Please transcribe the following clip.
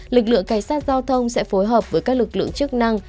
lực lượng cảnh sát giao thông sẽ phối hợp với các lực lượng chức năng